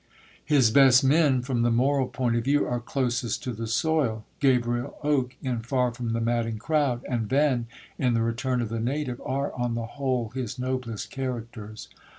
His best men, from the moral point of view, are closest to the soil. Gabriel Oak, in Far from the Madding Crowd, and Venn, in The Return of the Native, are, on the whole, his noblest characters.